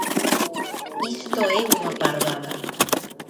Isto é unha parvada.